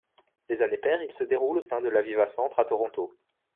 Les années paires, il se déroule au sein de l'Aviva Centre à Toronto.